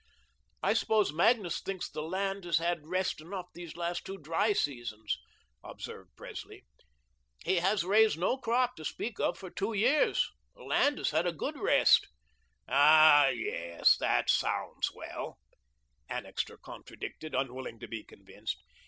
"I suppose Magnus thinks the land has had rest enough these last two dry seasons," observed Presley. "He has raised no crop to speak of for two years. The land has had a good rest." "Ah, yes, that sounds well," Annixter contradicted, unwilling to be convinced.